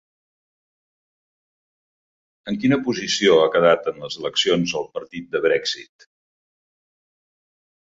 En quina posició ha quedat en les eleccions el Partit de Brexit?